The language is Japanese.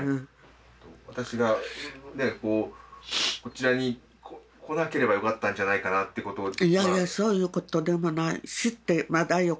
私がねこちらに来なければよかったんじゃないかなってことを。